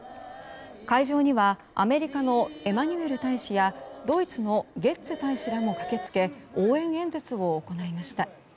会場にはアメリカのエマニュエル大使やドイツのゲッツェ大使らも駆けつけ応援演説を行いました。